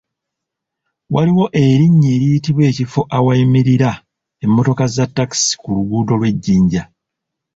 Waliwo erinnya eriyitibwa ekifo awayimirira emmotoka za takisi ku luguudo lw’ejjinja.